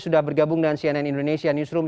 sudah bergabung dengan cnn indonesia newsroom